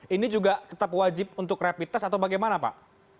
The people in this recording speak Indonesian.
ini juga tetap wajib untuk rapid test atau bagaimana pak